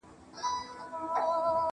د سرو سونډو په لمبو کي د ورک سوي یاد دی.